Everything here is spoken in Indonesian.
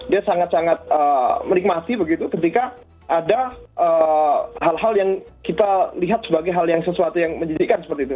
dia sangat sangat menikmati begitu ketika ada hal hal yang kita lihat sebagai hal yang sesuatu yang menyedihkan seperti itu